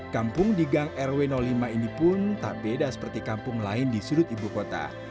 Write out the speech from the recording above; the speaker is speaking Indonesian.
kampung di gang rw lima ini pun tak beda seperti kampung lain di sudut ibu kota